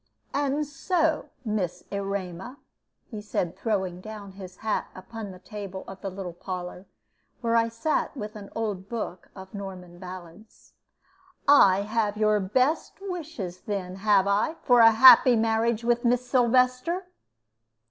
"And so, Miss Erema," he said, throwing down his hat upon the table of the little parlor, where I sat with an old book of Norman ballads, "I have your best wishes, then, have I, for a happy marriage with Miss Sylvester?"